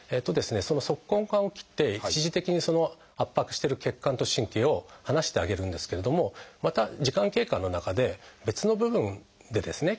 その足根管を切って一時的に圧迫してる血管と神経を離してあげるんですけれどもまた時間経過の中で別の部分でですね